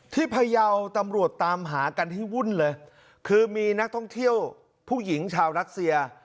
พยาวตำรวจตามหากันให้วุ่นเลยคือมีนักท่องเที่ยวผู้หญิงชาวรัสเซีย